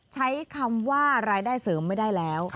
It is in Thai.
ใช้คำว่ารายได้เสริมไม่ได้แล้ว